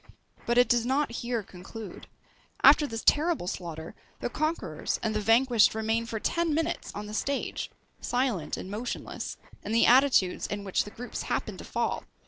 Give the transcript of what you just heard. But it does not here conclude. After this terrible slaughter, the conquerors and the vanquished remain for ten minutes on the stage, silent and motionless, in the attitudes in which the groups happened to fall!